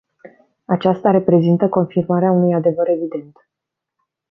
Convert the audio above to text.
Aceasta reprezintă confirmarea unui adevăr evident.